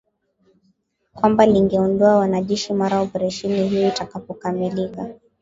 kwamba lingeondoa wanajeshi mara operesheni hiyo itakapokamilika